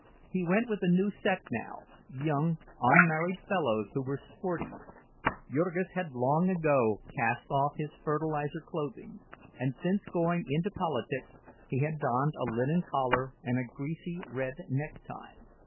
He went with a new set, now, young unmarried fellows who were "sporty." Jurgis had long ago cast off his fertilizer clothing, and since going into politics he had donned a linen collar and a greasy red necktie.